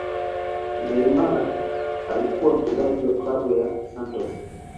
neynar alikuwa mchezaji wa klabu ya santos